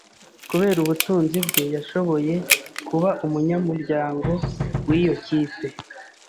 Kubera ubutunzi bwe, yashoboye kuba umunyamuryango wiyo kipe.